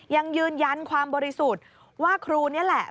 ยังยืนยันความบริสุทธิ์ว่าครูนี่แหละ